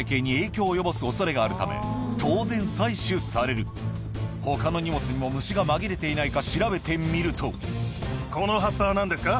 衣類の箱に何やら虫が他の荷物にも虫が紛れていないか調べてみるとこの葉っぱは何ですか？